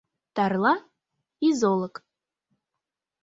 Тарла — изолык.